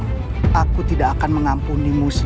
pakcik yangmagie needles dan kaki enur itu hulk jatuh most kilo